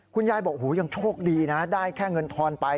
คุณยายบอกหูยังโชคดีนะได้แค่เงินทอนไป